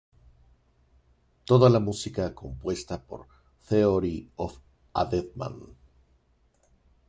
Toda la música compuesta por Theory of a Deadman.